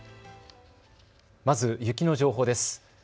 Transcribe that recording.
まず雪の情報です。